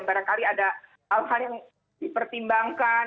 barangkali ada hal hal yang dipertimbangkan